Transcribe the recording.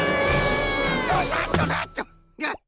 ドサっとなっと。